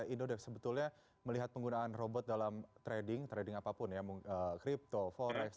indodex sebetulnya melihat penggunaan robot dalam trading trading apapun ya crypto forex